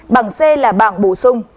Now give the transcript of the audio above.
bảng c là bảng bổ sung